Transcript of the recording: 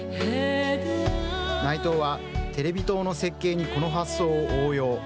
内藤は、テレビ塔の設計に発想を応用。